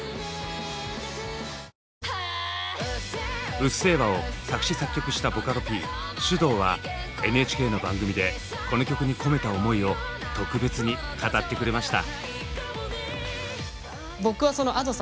「うっせぇわ」を作詞作曲したボカロＰｓｙｕｄｏｕはＮＨＫの番組でこの曲に込めた思いを特別に語ってくれました。